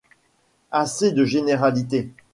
Assez de généralités !